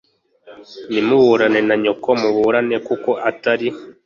nimuburane na nyoko muburane kuko atari